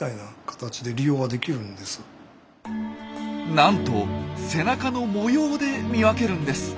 なんと背中の模様で見分けるんです。